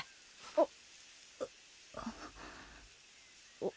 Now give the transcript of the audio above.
あっ！？